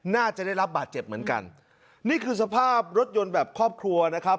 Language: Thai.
น่าจะได้รับบาดเจ็บเหมือนกันนี่คือสภาพรถยนต์แบบครอบครัวนะครับ